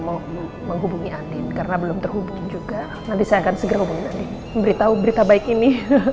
mau menghubungi adin karena belum terhubung juga nanti saya akan segera beritahu berita baik ini